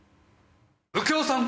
右京さん！